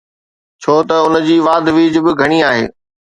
ڇو ته ان جي واڌ ويجهه به گهڻي آهي.